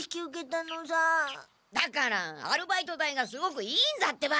だからアルバイト代がすごくいいんだってば！